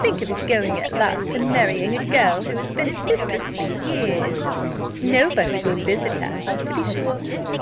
Think of his going at last, and marrying a girl who has been his mistress for years! Nobody will visit her, to be sure.